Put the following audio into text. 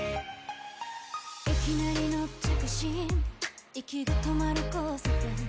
いきなりの着信息がとまる交差点